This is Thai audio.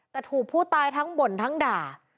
แต่ถูกผู้ตายทั้งบ่นทั้งด่า